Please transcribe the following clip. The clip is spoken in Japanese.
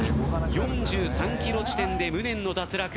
４３キロ地点で無念の脱落。